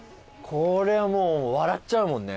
これはもう笑っちゃうもんね